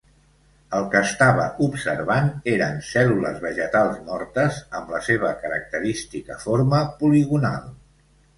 El que estava observant eren cèl·lules vegetals mortes amb la seva característica forma poligonal.